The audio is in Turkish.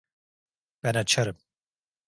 Ben açarım.